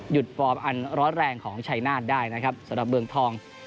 ฟอร์มอันร้อนแรงของชัยนาธได้นะครับสำหรับเมืองทอง